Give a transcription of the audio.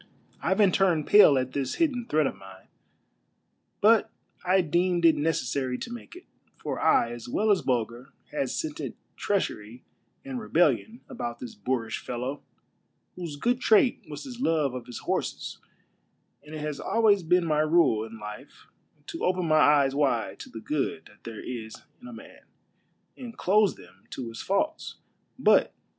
Ivan turned pale at this hidden threat of mine ; but I deemed it necessary to make it, for I as well as Bulger had scented treachery and rebellion about this boorish fellow, whose good trait was his love of his horses, and it has always been my rule in life to open ni}'' eyes wide to the good that there is in a man, and close them to his faults.